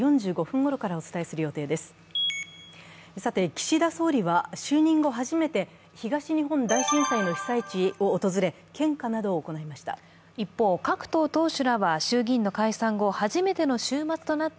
岸田総理は就任後初めて東日本大震災の被災地を訪れ、献花などを行いました。